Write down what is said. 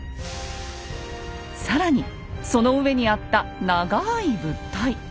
更にその上にあった長い物体。